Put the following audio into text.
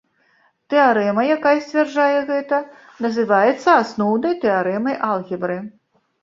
Тэарэма, якая сцвярджае гэта, называецца асноўнай тэарэмай алгебры.